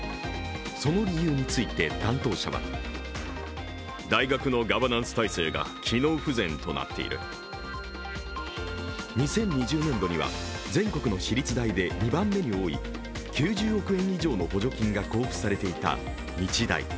その理由について担当者は２０２０年度には全国の私立大で２番目に多い９０億円以上の補助金が交付されていた日大。